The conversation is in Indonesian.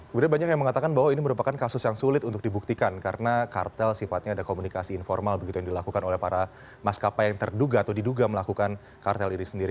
kemudian banyak yang mengatakan bahwa ini merupakan kasus yang sulit untuk dibuktikan karena kartel sifatnya ada komunikasi informal begitu yang dilakukan oleh para maskapai yang terduga atau diduga melakukan kartel ini sendiri